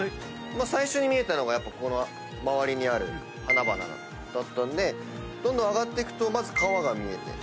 最初に見えたのがこの周りにある花々だったんでどんどん上がっていくとまず川が見えて川を描きました。